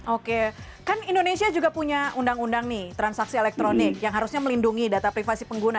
oke kan indonesia juga punya undang undang nih transaksi elektronik yang harusnya melindungi data privasi pengguna